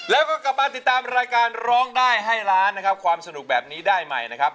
แล้วก็กลับมาติดตามรายการร้องได้ให้ล้านนะครับความสนุกแบบนี้ได้ใหม่นะครับ